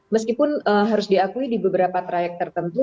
meskipun harus diakui di beberapa trayek tertentu